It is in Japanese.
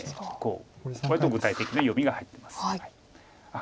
割と具体的な読みが入ってます。